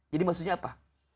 jadi maksudnya apa